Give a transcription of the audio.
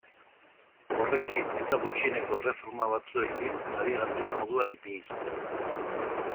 Horrekin, eta gutxieneko erreforma batzuekin, nabigatzeko moduan ipini zuten.